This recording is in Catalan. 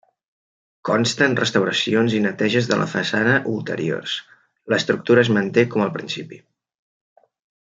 Consten restauracions i neteges de la façana ulteriors; l'estructura es manté com al principi.